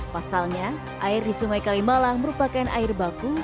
pasalnya air di sungai kalimalang merupakan air baku